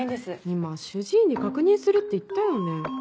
今主治医に確認するって言ったよね？